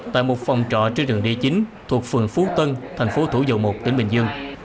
tại một phòng trọ trên đường d chín thuộc phường phú tân thành phố thủ dầu một tỉnh bình dương